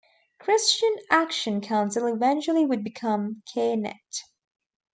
Christian Action Council eventually would become Care Net.